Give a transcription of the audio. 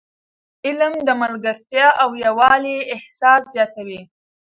علم د ملګرتیا او یووالي احساس زیاتوي.